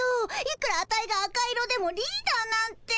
いくらアタイが赤色でもリーダーなんて。